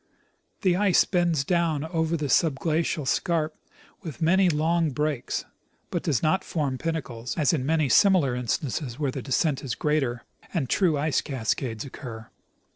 The ice bends down over the subglacial scarp with many long breaks, but does not form pinnacles, as in many simi lar instances where the descent is greater, and true ice cascades occur.